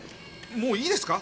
もういいですか？